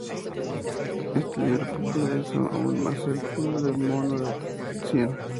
Este libro popularizó aún más el bulo del mono cien.